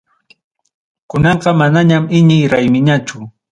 Kunanqa manañam iñiy raymiñachu.